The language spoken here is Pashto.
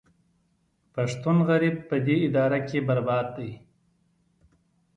پښتون غریب په دې اداره کې برباد دی